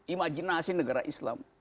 imajinasi negara islam